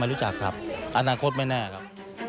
รู้จักครับอนาคตไม่แน่ครับ